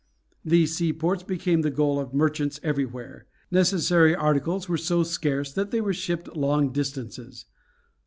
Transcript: These seaports became the goal of merchants everywhere. Necessary articles were so scarce that they were shipped long distances.